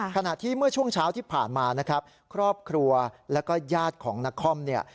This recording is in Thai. ขณะที่เมื่อช่วงเช้าที่ผ่านมานะครับครอบครัวแล้วก็ญาติของนครเนี่ย